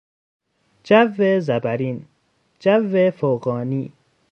جو زبرین، جو فوقانی